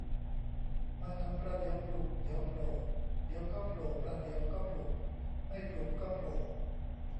มาทำประเดี๋ยวผลุบเดี๋ยวโผล่ เดี๋ยวก็โผล่ประเดี๋ยวก็ผลุบไม่ผลุบก็โผล่